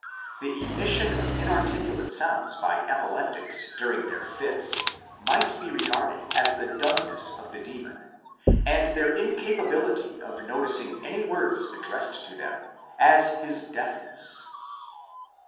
The emission of inarticulate sounds by epi leptics during their fits, might be regarded as the dumbness of the demon, and their incapability of noticing any words addressed to them, as his deafness.